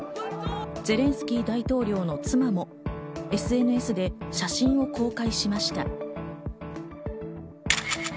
ゼレンスキー大統領の妻もＳＮＳで写真を公開しました。